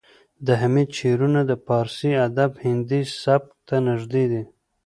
د حمید شعرونه د پارسي ادب هندي سبک ته نږدې دي